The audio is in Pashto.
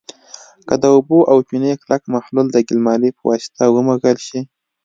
که د اوبو او چونې کلک محلول د ګلمالې په واسطه ومږل شي.